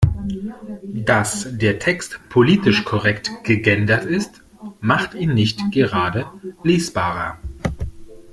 Dass der Text politisch korrekt gegendert ist, macht ihn nicht gerade lesbarer.